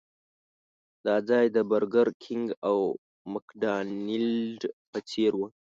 دا ځای د برګر کېنګ او مکډانلډ په څېر و.